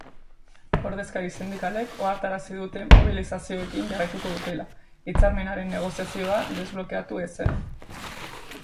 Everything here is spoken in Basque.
Ordezkari sindikalek ohartarazi dute mobilizazioekin jarraituko dutela, hitzarmenaren negoziazioa desblokeatu ezean.